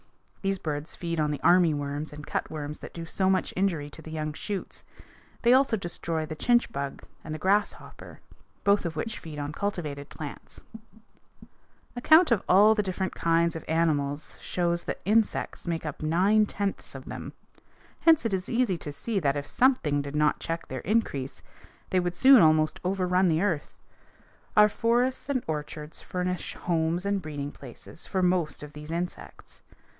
These birds feed on the army worms and cutworms that do so much injury to the young shoots; they also destroy the chinch bug and the grasshopper, both of which feed on cultivated plants. [Illustration: FIG. 281. A WARBLER] A count of all the different kinds of animals shows that insects make up nine tenths of them. Hence it is easy to see that if something did not check their increase they would soon almost overrun the earth. Our forests and orchards furnish homes and breeding places for most of these insects.